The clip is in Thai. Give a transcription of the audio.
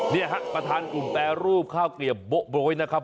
เนี่ยฮะประธานกลุ่มแปรรูปข้าวเกลียบโบ๊ะโบ๊ยนะครับ